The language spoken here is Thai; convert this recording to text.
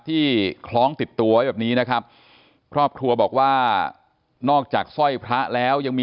คล้องติดตัวไว้แบบนี้นะครับครอบครัวบอกว่านอกจากสร้อยพระแล้วยังมี